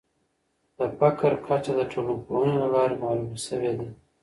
د فقر کچه د ټولنپوهني له لارې معلومه سوې ده.